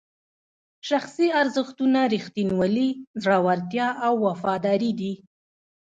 شخصي ارزښتونه ریښتینولي، زړورتیا او وفاداري دي.